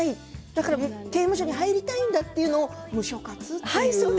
だから刑務所に入りたいんだというのをムショ活という。